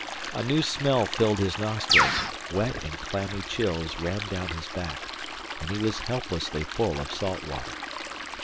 A new smell filled his nostrils; wet and clammy chills ran down his back, and he was helplessly full of salt water.